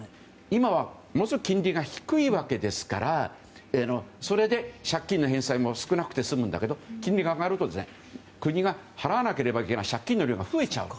今はものすごく金利が低いわけですからそれで借金の返済も少なくて済むわけだけど金利が上がると国が払わなければいけない借金の量が増えちゃう。